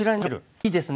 いいですね。